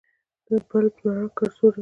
د بلب رڼا کمزورې وه.